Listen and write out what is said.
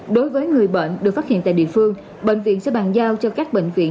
đối với người bệnh được phát hiện tại địa phương bệnh viện sẽ bàn giao cho các bệnh viện